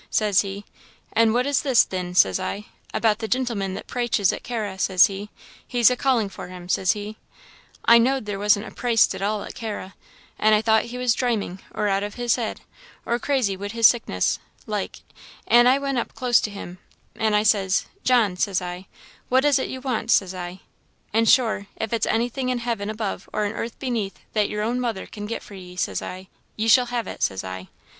says he. 'An' what is it, thin?' says I. 'About the gintleman that praiches at Carra,' says he 'he's a calling for him,' says he. I knowed there wasn't a praist at all at Carra, an' I thought he was draiming, or out o' his head, or crazy wid his sickness, like; an' I went up close to him, an' says I, 'John,' says I, 'what is it you want,' says I 'an' sure, if it's anything in heaven above or in earth beneath that yer own mother can get for ye,' says I, 'ye shall have it,' says I.